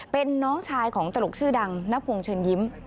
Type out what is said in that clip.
เป็นน้องชายของตลกชื่อดังนพงศ์เชิญยิ้ม